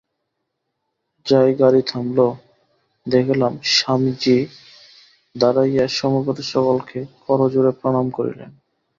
যাই গাড়ী থামিল, দেখিলাম স্বামীজী দাঁড়াইয়া সমবেত সকলকে করজোড়ে প্রণাম করিলেন।